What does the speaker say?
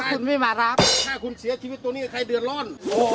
คุณไม่มารับถ้าคุณเสียชีวิตตรงนี้ใครเดือดร้อน